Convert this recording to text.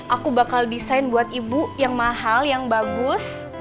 aku bakal desain buat ibu yang mahal yang bagus